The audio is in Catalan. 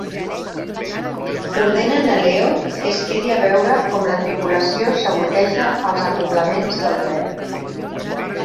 Ordenen a Leo que es quedi a veure com la tripulació saboteja els acoblaments del tren.